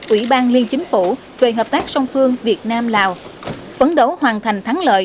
ủy ban liên chính phủ về hợp tác song phương việt nam lào phấn đấu hoàn thành thắng lợi